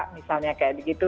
misalnya kayak begitu